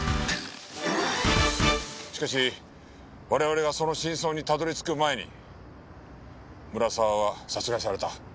しかし我々がその真相にたどり着く前に村沢は殺害された。